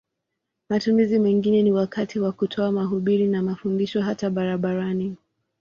Matumizi mengine ni wakati wa kutoa mahubiri na mafundisho hata barabarani.